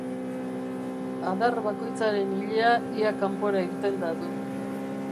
Adarbakoitzaren ilea ia kanpora irtenda du.